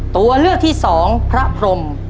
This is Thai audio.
ตัวเลือกที่สองพระพรม